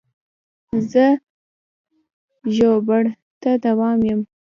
زه ژوبڼ ته روان یم.